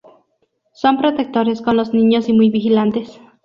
Son protectores con los niños y muy vigilantes.